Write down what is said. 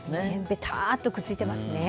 ベターッとくっついてますね。